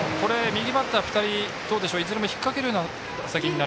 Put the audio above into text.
右バッター、２人いずれも引っ掛けるような打席。